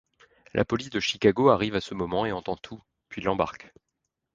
La police de Chicago arrive à ce moment et entend tout, puis l'embarque.